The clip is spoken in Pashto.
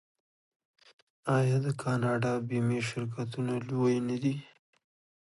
آیا د کاناډا بیمې شرکتونه لوی نه دي؟